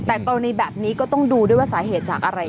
แต่กรณีแบบนี้ก็ต้องดูด้วยว่าสาเหตุจากอะไร